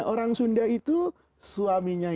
orang sunda itu suaminya